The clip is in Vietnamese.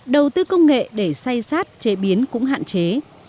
đầu tư công nghệ để say sát chế biến cũng hạn chế